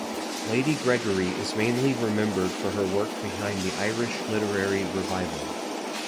Lady Gregory is mainly remembered for her work behind the Irish Literary Revival.